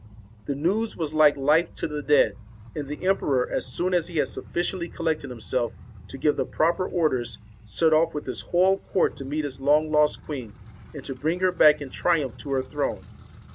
The news was like TINE AND life to the dead; and the emperor, as soon as he ORSON had sufficiently collected himself to give the proper orders, set off with his whole court to meet his long lost queen, and to bring her back in triumph to her throne.